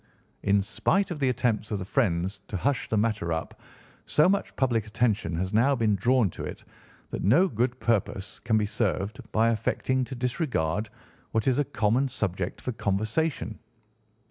In spite of the attempts of the friends to hush the matter up, so much public attention has now been drawn to it that no good purpose can be served by affecting to disregard what is a common subject for conversation.